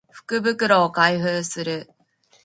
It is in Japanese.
福袋を開封する